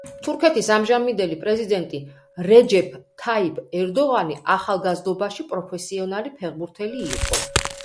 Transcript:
თურქეთის ამჟამინდელი პრეზიდენტი რეჯეფ თაიფ ერდოღანი ახალგაზრდობაში პროფესიონალი ფეხბურთელი იყო.